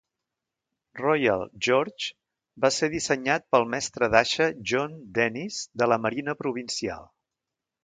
"Royal George" va ser dissenyat pel mestre d'aixa John Dennis de la Marina Provincial.